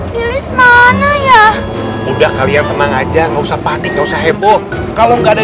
tulis mana ya udah kalian tenang aja nggak usah panik nggak usah heboh kalau nggak ada